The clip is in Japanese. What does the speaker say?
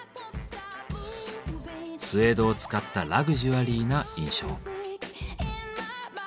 スエードを使ったラグジュアリーな印象。